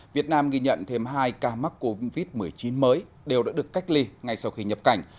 việt nam ghi nhận thêm hai ca mắc covid một mươi chín mới đều đã được cách ly ngay sau khi nhập cảnh